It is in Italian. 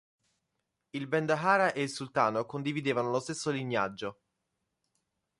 Il bendahara e il sultano condividevano lo stesso lignaggio.